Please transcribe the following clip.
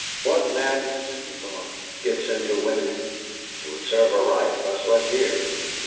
'.hat madness,' he thought, 'gets into women! It would serve her right if I slept here!'